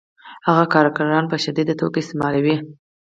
هغه کارګران په شدیده توګه استثماروي